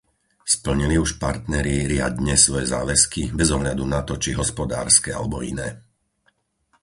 Splnili už partneri riadne svoje záväzky, bez ohľadu na to, či hospodárske alebo iné?